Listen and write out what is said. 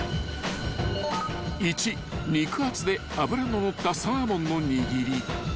［１肉厚で脂の乗ったサーモンの握り］